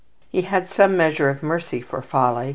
He had some measure of mercy for folly.